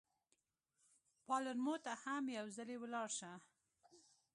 پالرمو ته هم یو ځلي ولاړ شه.